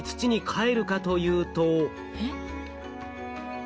えっ？